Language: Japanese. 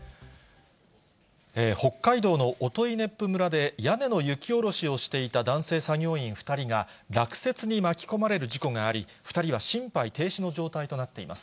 北海道の音威子府村で、屋根の雪下ろしをしていた男性作業員２人が、落雪に巻き込まれる事故があり、２人は心肺停止の状態となっています。